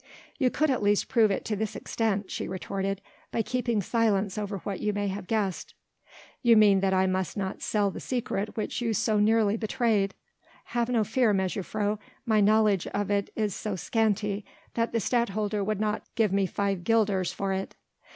"You could at least prove it to this extent," she retorted, "by keeping silence over what you may have guessed." "You mean that I must not sell the secret which you so nearly betrayed ... have no fear, mejuffrouw, my knowledge of it is so scanty that the Stadtholder would not give me five guilders for it."